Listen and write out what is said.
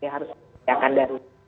harus diperiakan dari